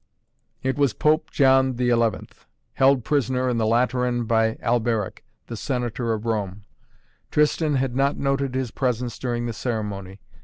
It was Pope John XI., held prisoner in the Lateran by Alberic, the Senator of Rome. Tristan had not noted his presence during the ceremony.